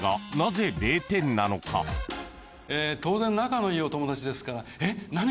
当然仲のいいお友達ですから。